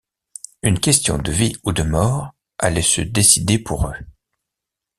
Une question de vie ou de mort allait se décider pour eux.